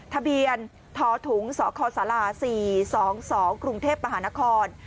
ทะเบียนทอถุงสคศาลาสี่สองสองกรุงเทพประหานคร